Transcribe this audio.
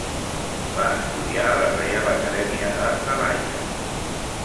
Va estudiar a la Reial Acadèmia d'Art de La Haia.